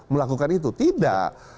melakukan itu tidak